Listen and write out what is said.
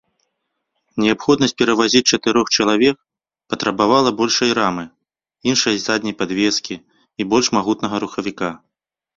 Неабходнасць перавазіць чатырох чалавек патрабавала большай рамы, іншай задняй падвескі і больш магутнага рухавіка.